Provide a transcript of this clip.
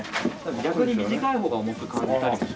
逆に短い方が重く感じたりもします。